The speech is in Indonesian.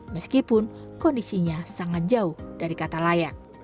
meskipun kondisinya sangat jauh dari kata layak